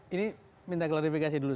ini minta klarifikasi dulu